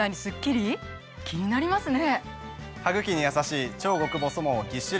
気になりますね。